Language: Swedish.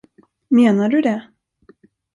Menar du det?